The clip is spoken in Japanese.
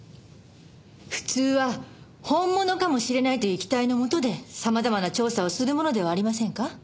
普通は本物かもしれないという期待のもとで様々な調査をするものではありませんか？